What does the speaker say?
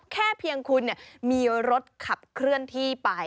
แค่เพียงคุณมีรถขับเคลื่อนที่ไป